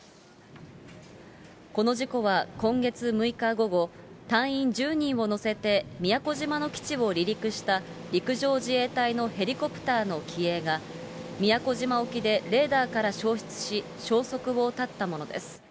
この事故は今月６日午後、隊員１０人を乗せて宮古島の基地を離陸した陸上自衛隊のヘリコプターの機影が、宮古島沖でレーダーから消失し、消息を絶ったものです。